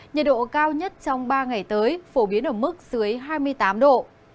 nhiệt độ cao nhất trong ba ngày tới phổ biến ở mức dưới hai mươi tám độ